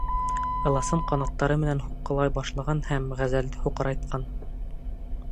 Ыласын ҡанаттары менән һуҡҡылай башлаған һәм ғәзәлде һуҡырайтҡан.